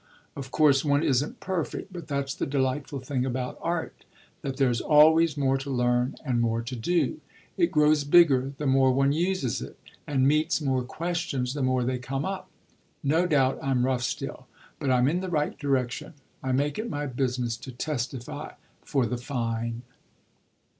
Of course one isn't perfect; but that's the delightful thing about art, that there's always more to learn and more to do; it grows bigger the more one uses it and meets more questions the more they come up. No doubt I'm rough still, but I'm in the right direction: I make it my business to testify for the fine."